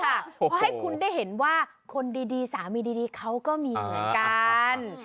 เพราะให้คุณได้เห็นว่าคนดีสามีดีเขาก็มีเหมือนกัน